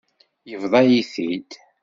Yebḍa-yi-t-id.